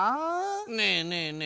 ねえねえねえ。